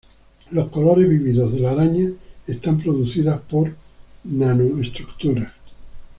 Los colores vívidos de la araña están producidas por nanoestructuras.